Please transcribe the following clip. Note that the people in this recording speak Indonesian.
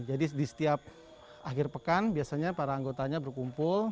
jadi di setiap akhir pekan biasanya para anggotanya berkumpul